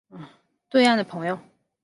对岸的朋友